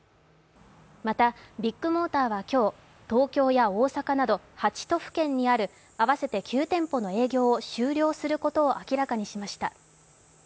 また、ビッグモーターは今日東京や大阪など、８都府県にある合わせて９店舗の営業を終了することを明らかにしました。